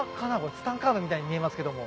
ツタンカーメンみたいに見えますけども。